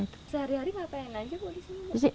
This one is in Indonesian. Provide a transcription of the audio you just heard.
sehari hari ngapain aja boleh semua